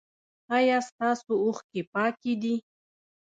ایا ستاسو اوښکې پاکې دي؟